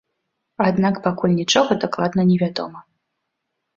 Аднак пакуль нічога дакладна не вядома.